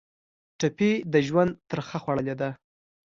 ټپي د ژوند ترخه خوړلې ده.